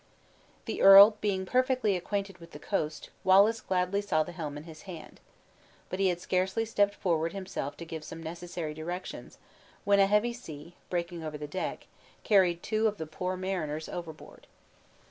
The earl being perfectly acquainted with the coast, Wallace gladly saw the helm in his hand. But he had scarcely stepped forward himself to give some necessary directions, when a heavy sea, breaking over the deck, carried two of the poor mariners overboard.